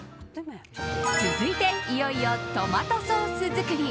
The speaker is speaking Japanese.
続いていよいよトマトソース作り。